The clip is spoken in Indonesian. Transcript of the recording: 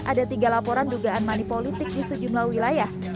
ada tiga laporan dugaan mani politik di sejumlah wilayah